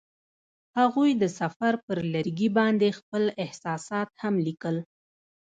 هغوی د سفر پر لرګي باندې خپل احساسات هم لیکل.